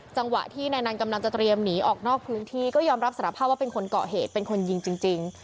จังหวะที่นายนันกำลังจะเตรียมหนีออกนอกพื้นที่ก็ยอมรับสารภาพว่าเป็นคนเกาะเหตุเป็นคนยิงจริง